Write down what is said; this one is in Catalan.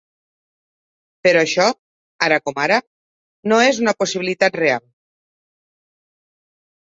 Però això, ara com ara, no és una possibilitat real.